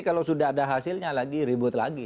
kalau sudah ada hasilnya lagi ribut lagi